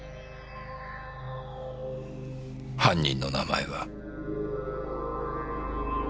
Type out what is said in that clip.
犯人の名前は。